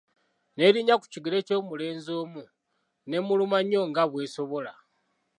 N'elinnya ku kigere ky'omulenzi omu, n'emuluma nnyo nga bw'esobola.